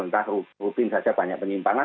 entah rutin saja banyak penyimpangan